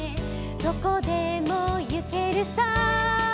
どこでもゆけるさ」